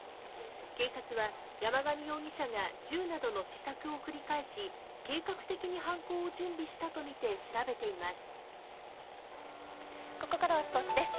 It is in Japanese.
警察は山上容疑者が銃などの試作を繰り返し計画的に犯行を準備したとみて調べています。